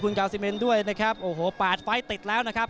คุณกาวซิเมนด้วยนะครับโอ้โห๘ไฟล์ติดแล้วนะครับ